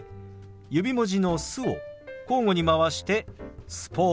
指文字の「す」を交互に回して「スポーツ」。